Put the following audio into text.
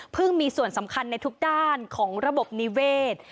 มีส่วนสำคัญในทุกด้านของระบบนิเวศ